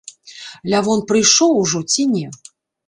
Лявон прыйшоў ужо, ці не?